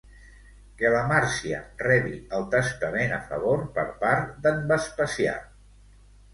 Que la Màrcia rebi el testament a favor per part d'en Vespasià.